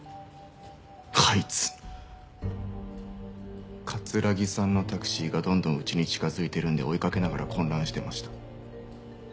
あいつ城さんのタクシーがどんどんうちに近づいてるんで追いかけながら混乱してました。